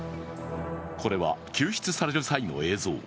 これは救出される際の映像。